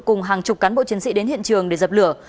cùng hàng chục cán bộ chiến sĩ đến hiện trường để dập lửa